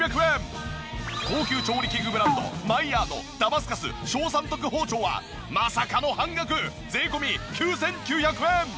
高級調理器具ブランドマイヤーのダマスカス小三徳包丁はまさかの半額税込９９００円！